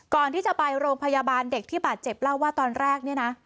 ก่อนที่จะไปโรงพยาบาลเด็กที่บาดเจ็บเล่าว่าตอนแรกเนี่ยนะ